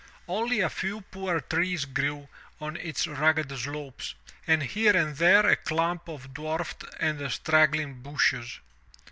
Only a few poor trees grew on its rugged slopes, and here and there a clump of dwarfed and straggling bushes.